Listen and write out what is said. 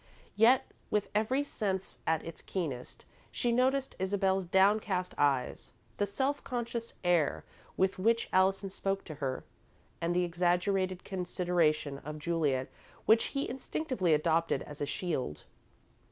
Yet, with every sense at its keenest, she noted Isabel's downcast eyes, the self conscious air with which Allison spoke to her, and the exaggerated consideration of Juliet which he instinctively adopted as a shield.